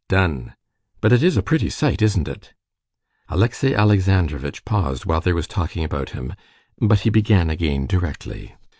"Done!" "But it is a pretty sight, isn't it?" Alexey Alexandrovitch paused while there was talking about him, but he began again directly.